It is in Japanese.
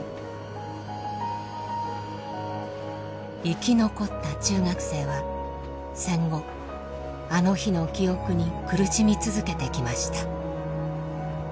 生き残った中学生は戦後あの日の記憶に苦しみ続けてきました。